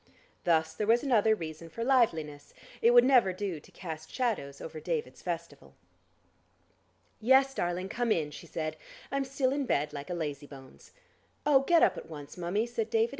Thus there was another reason for liveliness; it would never do to cast shadows over David's festival. "Yes, darling, come in," she said. "I'm still in bed like a lazy bones." "Oh, get up at once, mummie," said David.